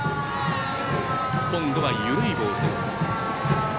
今度は緩いボールです。